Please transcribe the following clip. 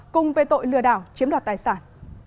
cùng về tội lừa đảo chiếm đoạt tài sản